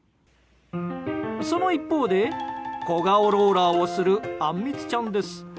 その一方で、小顔ローラーをするあんみつちゃんです。